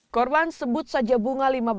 korban sebut saja bunga lima belas